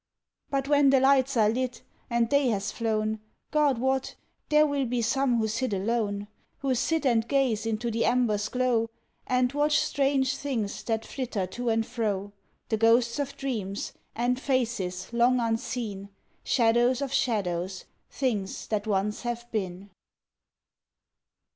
But when the lights are lit, and day has flown God wot! there will be some who sit alone; Who sit and gaze into the embers' glow, And watch strange things that flitter to and fro The ghosts of dreams; and faces long unseen; Shadows of shadows things that once have been.